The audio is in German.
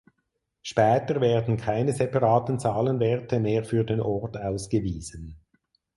Später werden keine separaten Zahlenwerte mehr für den Ort ausgewiesen.